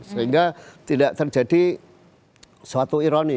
sehingga tidak terjadi suatu ironi